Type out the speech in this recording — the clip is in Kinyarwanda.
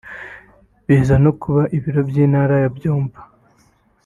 biza no kuba ibiro by’Intara ya Byumba